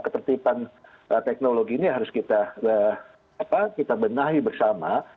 ketertiban teknologi ini harus kita benahi bersama